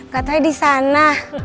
katanya di sana